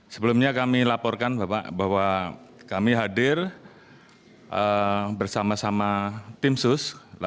sebelumnya kami laporkan bahwa kami hadir bersama sama tim sus